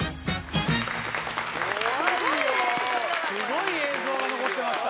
すごい映像が残ってました。